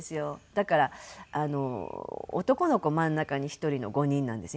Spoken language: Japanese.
だから男の子真ん中に１人の５人なんですよ。